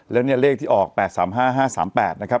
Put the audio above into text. แล้วเนี่ยเลขที่ออก๘๓๕๕๓๘นะครับ